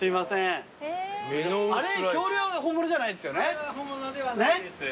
あれは本物ではないです。